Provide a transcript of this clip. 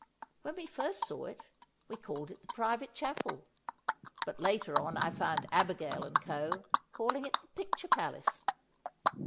When we first saw it, we called it the private chapel; but later on I found Abigail & Co. calling it the picture palace.